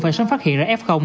phải sớm phát hiện ra f